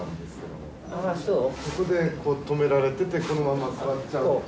ここで止められててこのまま座っちゃう。